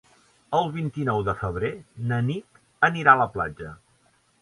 El vint-i-nou de febrer na Nit anirà a la platja.